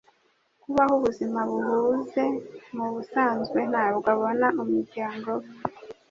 Kubaho ubuzima buhuze, mubusanzwe ntabwo abona umuryango we.